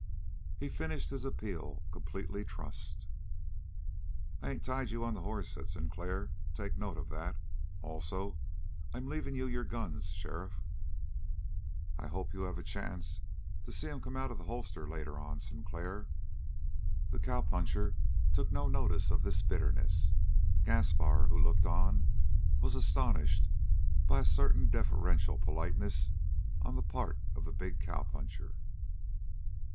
He finished his appeal completely trussed. "I ain't tied you on the hoss," said Sinclair. "Take note of that. Also I'm leaving you your guns, sheriff." "I hope you'll have a chance to see 'em come out of the holster later on, Sinclair." The cowpuncher took no notice of this bitterness. Gaspar, who looked on, was astonished by a certain deferential politeness on the part of the big cowpuncher.